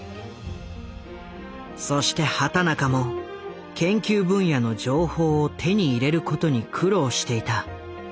そして畑中も研究分野の情報を手に入れることに苦労していた。